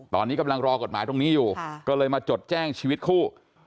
ตอนนี้กำลังรอกฎหมายตรงนี้อยู่ก็เลยมาจดแจ้งชีวิตคู่